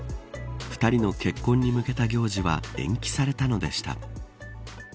２人の結婚に向けた行事は延期されたのでした。